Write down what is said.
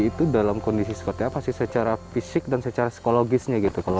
saat di epokosik sini putih itu dalam kondisi secara fisik dan secara psikologisnya gitu